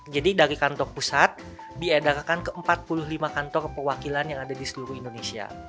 jadi dari kantor pusat diederakan ke empat puluh lima kantor perwakilan yang ada di seluruh indonesia